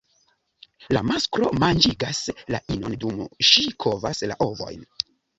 La masklo manĝigas la inon dum ŝi kovas la ovojn.